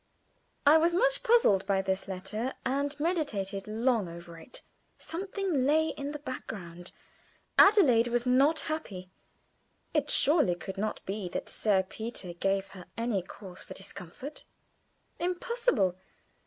I was much puzzled with this letter, and meditated long over it. Something lay in the background. Adelaide was not happy. It surely could not be that Sir Peter gave her any cause for discomfort. Impossible!